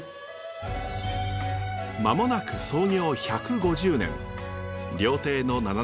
間もなく創業１５０年。